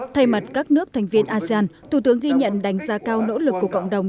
thay mặt các nước thành viên asean thủ tướng ghi nhận đánh giá cao nỗ lực của cộng đồng